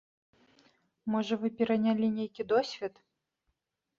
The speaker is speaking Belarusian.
Можа вы перанялі нейкі досвед?